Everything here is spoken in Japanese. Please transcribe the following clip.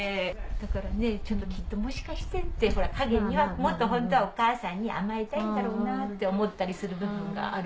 だからきっともしかして陰にはもっとホントはお母さんに甘えたいんだろうなって思ったりする部分がある。